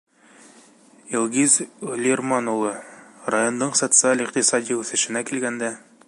— Илгиз Лирман улы, райондың социаль-иҡтисади үҫешенә килгәндә...